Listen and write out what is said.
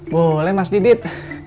boleh mas didit